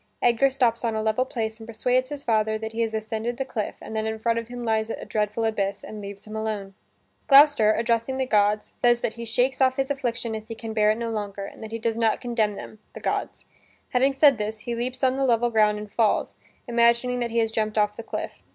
Edgar stops on a level place and persuades his father that he has ascended the cliff and that in front of him lies a dreadful abyss, and leaves him alone. Gloucester, addressing the gods, says that he shakes off his affliction as he can bear it no longer, and that he does not condemn them the gods. Having said this, he leaps on the level ground and falls, imagining that he has jumped off the cliff.